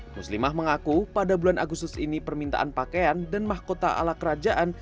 muslimah mengaku pada bulan agustus ini permintaan pakaian dan mahkota ala kerajaan